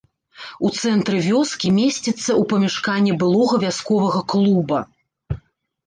У цэнтры вёскі, месціцца ў памяшканні былога вясковага клуба.